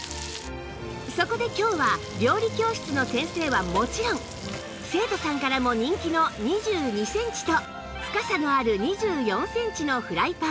そこで今日は料理教室の先生はもちろん生徒さんからも人気の２２センチと深さのある２４センチのフライパン